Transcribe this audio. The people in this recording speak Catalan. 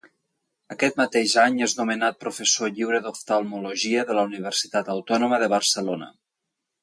Aquest mateix any és nomenat professor lliure d'Oftalmologia de la Universitat Autònoma de Barcelona.